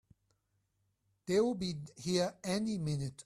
They'll be here any minute!